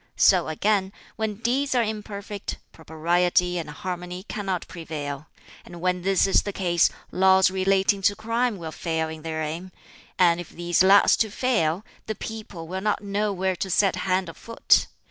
So, again, when deeds are imperfect, propriety and harmony cannot prevail, and when this is the case laws relating to crime will fail in their aim; and if these last so fail, the people will not know where to set hand or foot.